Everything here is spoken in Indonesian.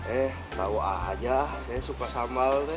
eh tau aja saya suka sambal neng